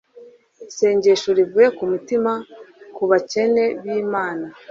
isengesho rivuye ku mutima ku bakene b'imana